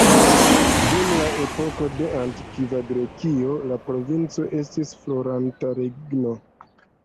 Dum la epoko de antikva Grekio, la provinco estis floranta regno.